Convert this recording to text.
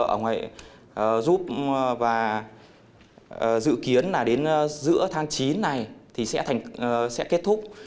ở ngoài giúp và dự kiến là đến giữa tháng chín này thì sẽ kết thúc